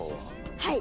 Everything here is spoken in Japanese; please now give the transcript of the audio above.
はい！